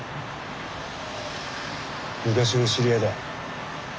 昔の知り合いだ。